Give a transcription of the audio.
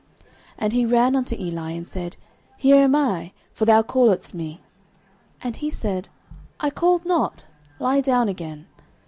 09:003:005 And he ran unto Eli, and said, Here am I; for thou calledst me. And he said, I called not; lie down again.